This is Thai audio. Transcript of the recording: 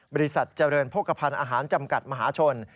บริษัทเจริญโภคภัณฑ์อาหารจำกัดมหาชน